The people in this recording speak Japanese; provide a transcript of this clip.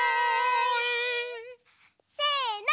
せの。